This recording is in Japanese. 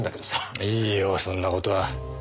いいよそんな事は。